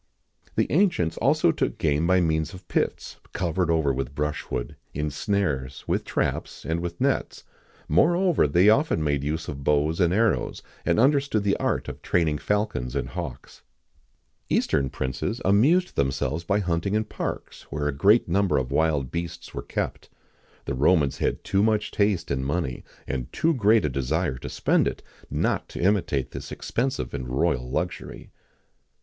[XIX 27] The ancients also took game by means of pits covered over with brushwood, in snares,[XIX 28] with traps,[XIX 29] and with nets;[XIX 30] moreover, they often made use of bows and arrows, and understood the art of training falcons and hawks.[XIX 31] Eastern princes amused themselves by hunting in parks where a great number of wild beasts were kept.[XIX 32] The Romans had too much taste and money, and too great a desire to spend it, not to imitate this expensive and royal luxury.